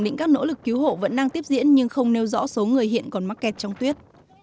định các nỗ lực cứu hộ vẫn đang tiếp diễn nhưng không nêu rõ số người hiện còn mắc kẹt trong tuyết